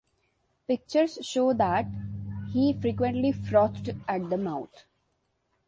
Pictures show that he frequently frothed at the mouth.